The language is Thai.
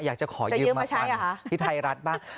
อยากจะขอยืมมากันที่ไทยรัฐบ้างอยากจะขอยืมมากันที่ไทยรัฐบ้าง